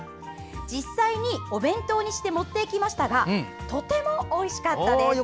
「実際にお弁当にして持っていきましたがとてもおいしかったです。